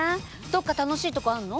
どっか楽しいとこあんの？